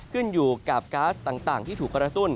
ขึ้นอยู่กับก๊าซต่างที่ถูกกระตุ้น